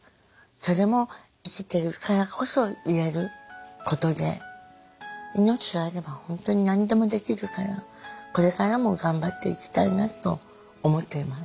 それも生きてるからこそ言えることで命があれば本当に何でもできるからこれからも頑張っていきたいなと思っています。